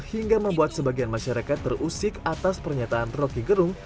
hingga membuat sebagian masyarakat terusik atas pernyataan roky gerung